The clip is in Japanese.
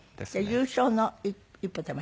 優勝の一歩手前？